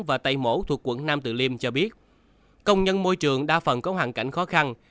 và tây mỗ thuộc quận nam từ liêm cho biết công nhân môi trường đa phần có hoàn cảnh khó khăn